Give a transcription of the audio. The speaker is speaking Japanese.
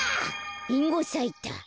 リンゴさいた。